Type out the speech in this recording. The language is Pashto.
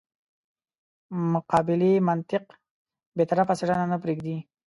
مقابلې منطق بې طرفه څېړنه نه پرېږدي.